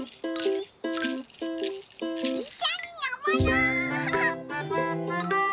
いっしょにのぼろう。